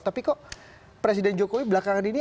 tapi kok presiden jokowi belakangan ini